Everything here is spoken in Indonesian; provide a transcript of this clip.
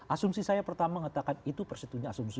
asumsi saya pertama mengatakan itu persetujuan asumsi